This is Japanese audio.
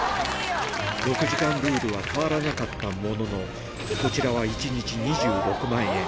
６時間ルールは変わらなかったものの、こちらは１日２６万円。